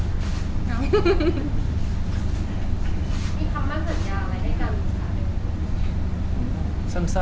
มีคำมั่นสัญญาไว้ด้วยครับ